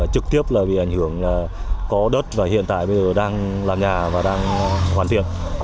trực tiếp là bị ảnh hưởng có đất và hiện tại bây giờ đang làm nhà và đang hoàn diêm